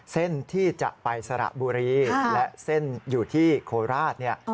เส้นที่จะไปสระบุรีและเส้นอยู่ที่โคราชเนี่ย